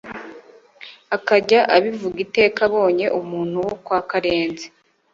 akajya abivuga iteka abonye umuntu wo kwa Karenzi